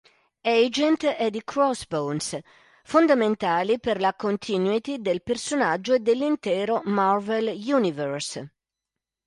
Agent e di Crossbones, fondamentali per la continuity del personaggio e dell'intero Marvel Universe.